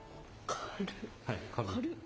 軽い。